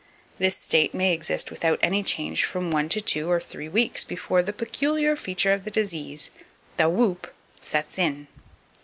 This state may exist without any change from one to two or three weeks before the peculiar feature of the disease the hoop sets in.